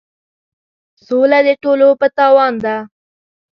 سوله د ټولو په تاوان ده.